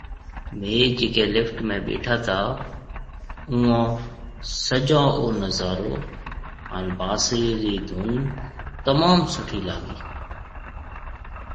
ميهه جڪي لفٽ ۾ ٻيٺا تا اوئون سجون او نظارو هان بانسري ري ڌُن تموم سٺي لاگي